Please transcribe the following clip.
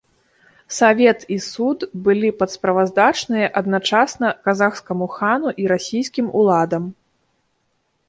Савет і суд былі падсправаздачныя адначасна казахскаму хану і расійскім уладам.